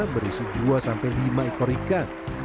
berisi dua sampai lima ekor ikan